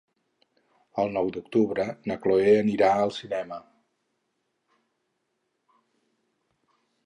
El nou d'octubre na Chloé anirà al cinema.